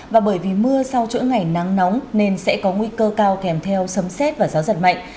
và bởi vì mưa sau chỗ ngày nắng nóng nên sẽ có nguy cơ cao kèm theo sấm xét và gió giật mạnh